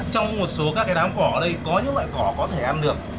trong một số các cái đám cỏ ở đây có những loại cỏ có thể ăn được